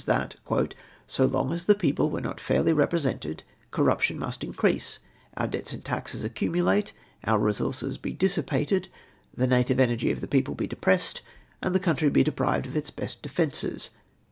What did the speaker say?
that " so long as the people were not fairly represented corruption must increase — our debts and taxes accumulate — our resources be dissipated — the native energy of the people be depressed, and the country he deprived of its best defences.